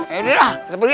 ya udah lah kita pergi ya